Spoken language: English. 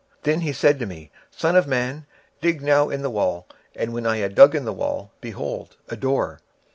26:008:008 Then said he unto me, Son of man, dig now in the wall: and when I had digged in the wall, behold a door.